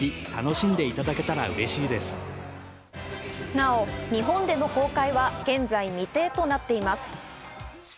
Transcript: なお日本での公開は現在未定となっています。